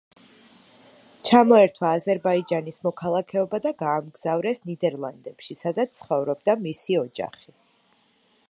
ჩამოერთვა აზერბაიჯანის მოქალაქეობა და გაამგზავრეს ნიდერლანდებში, სადაც ცხოვრობდა მისი ოჯახი.